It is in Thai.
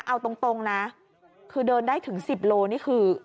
เอาตรงนะคือเดินได้ถึง๑๐โลนี่คือ